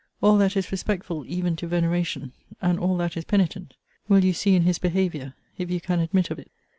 All that is respectful, even to veneration, and all that is penitent, will you see in his behaviour, if you can admit of it.